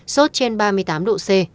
sốt trên ba mươi tám độ c